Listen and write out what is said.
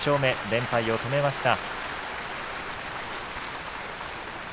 連敗を止めました。